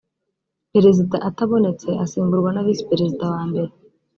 perezida atabonetse asimburwa na visi perezida wa mbere